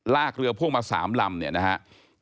ลากเรือพ่วงมา๓ลำเนี่ยนะครับ